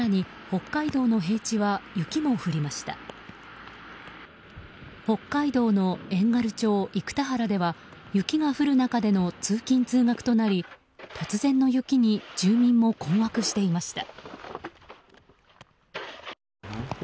北海道の遠軽町生田原では雪が降る中での通勤・通学となり突然の雪に住民も困惑していました。